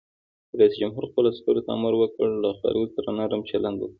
رئیس جمهور خپلو عسکرو ته امر وکړ؛ له خلکو سره نرم چلند وکړئ!